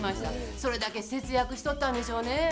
それだけ節約しとったんでしょうね。